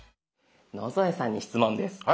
野添さんに質問です。